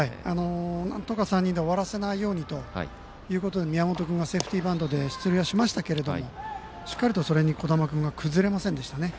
なんとか３人で終わらせないようにということで宮本君がセーフティーバントで出塁しましたけどしっかりとそれに小玉君が崩れませんでしたね。